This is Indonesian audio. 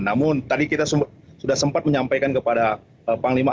namun tadi kita sudah sempat menyampaikan kepada panglima